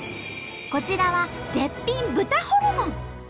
こちらは絶品豚ホルモン。